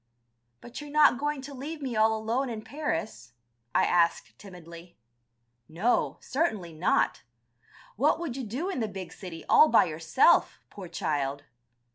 "But you're not going to leave me all alone in Paris?" I asked timidly. "No, certainly not. What would you do in the big city, all by yourself, poor child.